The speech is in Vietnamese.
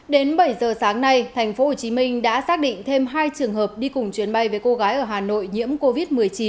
đến bảy giờ sáng nay tp hcm đã xác định thêm hai trường hợp đi cùng chuyến bay với cô gái ở hà nội nhiễm covid một mươi chín